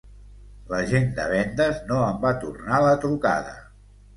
L'agent de vendes no em va tornar la trucada.